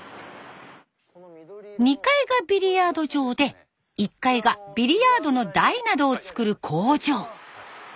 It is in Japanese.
２階がビリヤード場で１階がビリヤードの台などを作る工場。